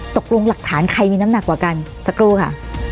ตกลงหลักฐานใครมีน้ำหนักกว่ากันสักครู่ค่ะ